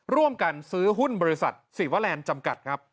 ร่วมกันซื้อหุ้นบริษัทซีวาแลนด์จำกัดครับ